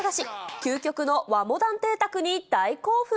究極の和モダン邸宅に大興奮。